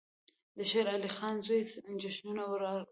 د شېر علي خان زوی جشنونه وکړل.